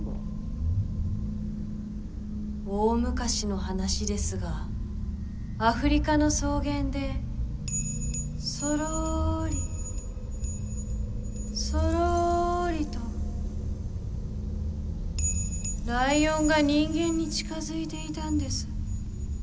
大昔の話ですがアフリカの草原でそろりそろりとライオンが人間に近づいていたんです。